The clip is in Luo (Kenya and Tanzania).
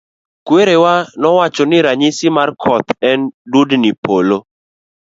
Kwerawa nowacho ni ranyisis mar koth en dudni polo.